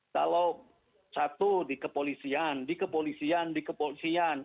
kalau satu di kepolisian di kepolisian di kepolisian